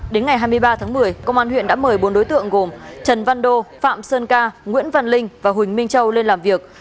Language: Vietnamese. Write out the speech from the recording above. đến ngày hai mươi ba tháng một mươi công an huyện đã mời bốn đối tượng gồm trần văn đô phạm sơn ca nguyễn văn linh và huỳnh minh châu lên làm việc